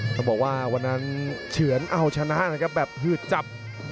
ต้องบอกว่าวันนั้นเฉือนเอาชนะนะครับแบบหืดจับ